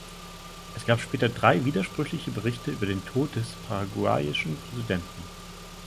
Es gab später drei widersprüchliche Berichte über den Tod des paraguayischen Präsidenten.